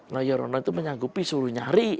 noyorono itu menyanggupi suruh nyari